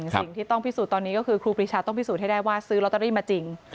สิ่งที่ต้องพิสูจน์ตอนนี้ก็คือครูปรีชาต้องพิสูจน์ให้ได้ว่าซื้อลอตเตอรี่มาจริง